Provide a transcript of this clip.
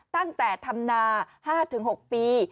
ตั้งแต่ทำนา๕๖ปี